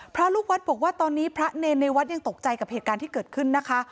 พระลูกวัดบอกว่าตอนนี้พระเนรในวัดยังตกใจกับเหตุการณ์ที่เกิดขึ้นนะคะ